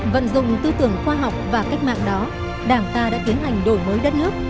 vận dụng tư tưởng khoa học và cách mạng đó đảng ta đã tiến hành đổi mới đất nước